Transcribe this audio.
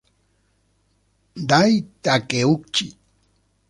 Dai Takeuchi